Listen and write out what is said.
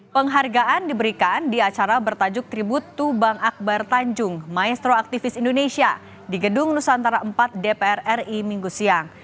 penghargaan diberikan di acara bertajuk tribut tuban akbar tanjung maestro aktivis indonesia di gedung nusantara iv dpr ri minggu siang